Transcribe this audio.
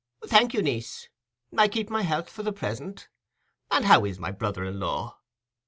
"Thank you, niece; I keep my health for the present. And how is my brother in law?"